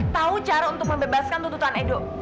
tau cara untuk membebaskan tututuan edo